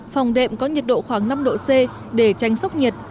phòng đệm có nhiệt độ khoảng năm độ c để tranh sốc nhiệt